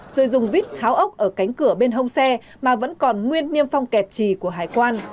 rồi dùng vít tháo ốc ở cánh cửa bên hông xe mà vẫn còn nguyên niêm phong kẹp trì của hải quan